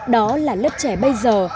đó là lớp trẻ bây giờ